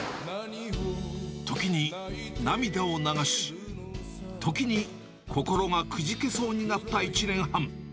時に涙を流し、時に心がくじけそうになった１年半。